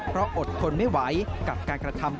เพราะอดทนไม่ไหวกับการกระทำ